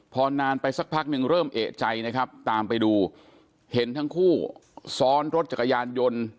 พอนานไปสักพักหนึ่งเริ่มเอกใจนะครับตามไปดูเห็นทั้งคู่ซ้อนรถจักรยานยนต์